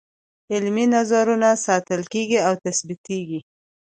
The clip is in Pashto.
عملي نظرونه ساتل کیږي او ثبتیږي.